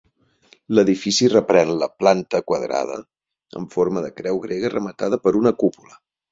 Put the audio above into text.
L'edifici reprèn la planta quadrada en forma de creu grega rematada per una cúpula.